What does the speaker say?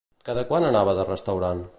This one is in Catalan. Cada quant anava de restaurant?